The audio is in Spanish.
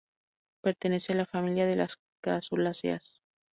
Pertenece a la familia de las crasuláceas.